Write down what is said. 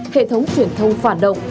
hệ thống truyền thông phản động